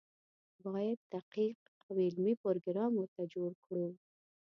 باید دقیق او علمي پروګرام ورته جوړ کړو.